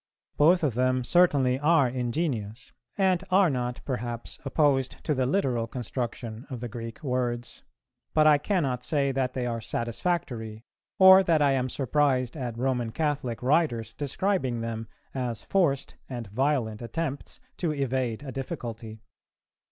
Both of them certainly are ingenious, and are not perhaps opposed to the literal construction of the Greek words; but I cannot say that they are satisfactory, or that I am surprised at Roman Catholic writers describing them as forced and violent attempts to evade a difficulty.